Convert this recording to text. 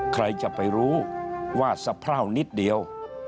ใครจะไปรู้ว่าสะพร่าวนิดเดียว